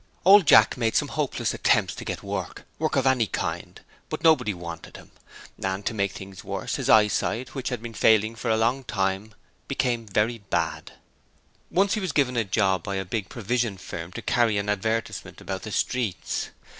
Old Jack made some hopeless attempts to get work work of any kind, but nobody wanted him; and to make things worse, his eyesight, which had been failing for a long time, became very bad. Once he was given a job by a big provision firm to carry an advertisement about the streets.